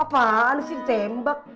apaan sih ditembak